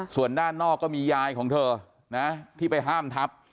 ส่วนด้านนอกก็มียายของเธอนะที่ไปห้ามทับ